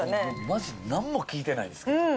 マジでなんも聞いてないですけど。